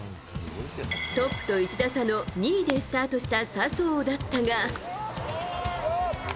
トップと１打差の２位でスタートした笹生だったが。